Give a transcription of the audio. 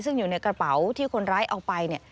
ซึ่งอยู่ในกระเป๋าที่คนร้ายเอาไป